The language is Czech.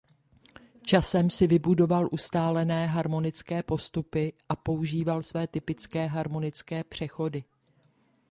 Časem si vybudoval ustálené harmonické postupy a používal své typické harmonické přechody.